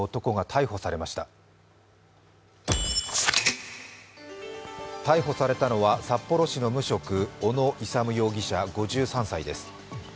逮捕されたのは札幌市の無職、小野勇容疑者５３歳です。